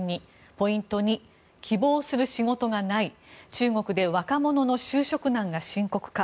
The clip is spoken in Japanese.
ポイント２、希望する仕事がない中国で若者の就職難が深刻化。